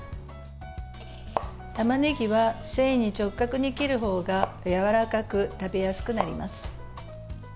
たまねぎは繊維に直角に切るほうがやわらかく食べやすくなります。